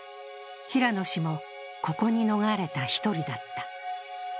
平野氏も、ここに逃れた１人だった。